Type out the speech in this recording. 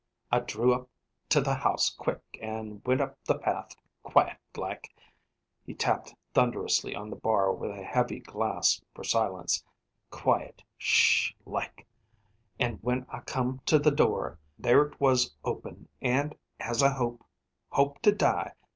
" I drew up to th' house quick, an' went up th' path quiet like," he tapped thunderously on the bar with a heavy glass for silence "quiet sh h like; an' when I come t' th' door, ther' 't was open, an' as I hope hope t' die